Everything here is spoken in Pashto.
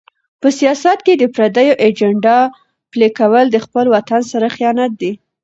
په سیاست کې د پردیو ایجنډا پلي کول د خپل وطن سره خیانت دی.